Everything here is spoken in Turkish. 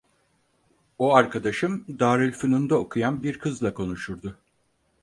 O arkadaşım Darülfünun'da okuyan bir kızla konuşurdu.